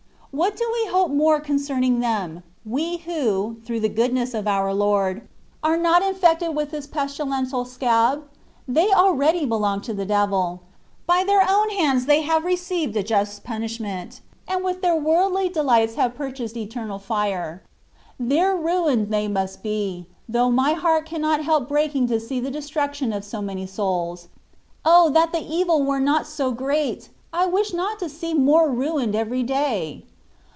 What do we hope more concerning them, — ^we who, through the goodness of our Lord, are not infected with this pestilential scab ? They already belong to the devil. By their own hands they have received a just punishment, and with their worldly delights have purchased eternal fire. There ruined they must be, though my heart can not help breaking to see the destruction of so many souls. O, that the evil were not so great ! I wish not to see more ruined every day.